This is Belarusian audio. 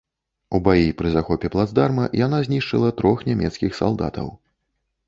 У баі пры захопе плацдарма яна знішчыла трох нямецкіх салдатаў.